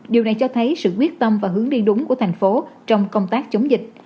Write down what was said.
điều này cho thấy sự quyết tâm và hướng đi đúng của tp hcm trong công tác chống dịch